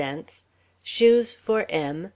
50 Shoes for M. .